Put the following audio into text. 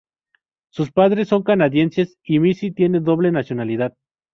Sus padres son canadienses y Missy tiene doble nacionalidad.